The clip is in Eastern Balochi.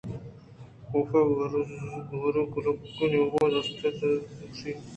کاف ءَ بزگرانی گِلگ ءِ نیمگءَ دست شہارادات ءُ گوٛشت ترا اے ڈولیں بے تامی وش بیت